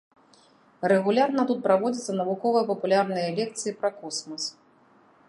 Рэгулярна тут праводзяцца навукова-папулярныя лекцыі пра космас.